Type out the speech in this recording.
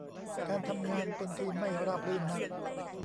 การทำงานเป็นทีมไม่ราบรื่นนัก